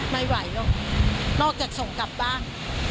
ไม่ไหวหรอกนอกจากส่งกลับบ้าน